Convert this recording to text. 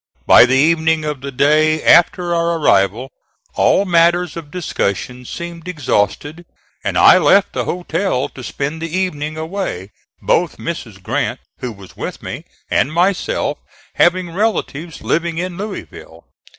By the evening of the day after our arrival all matters of discussion seemed exhausted, and I left the hotel to spend the evening away, both Mrs. Grant (who was with me) and myself having relatives living in Louisville.